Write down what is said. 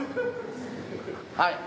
はい。